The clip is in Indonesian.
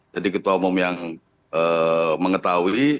jadi ketua umum yang mengetahui